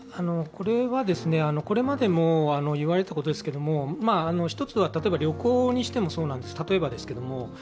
これまでも言われていたことですけど、一つは旅行にしてもそうなんです、例えばですけども。